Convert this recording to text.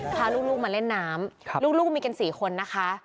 พาลูกมาเล่นน้ำลูกมีกัน๔คนนะคะ